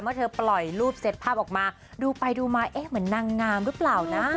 เธอปล่อยรูปเซ็ตภาพออกมาดูไปดูมาเอ๊ะเหมือนนางงามหรือเปล่านะ